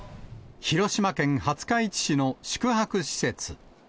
広島県廿日市市の宿泊施設。